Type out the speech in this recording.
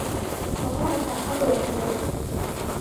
ここまできたら覚悟を決める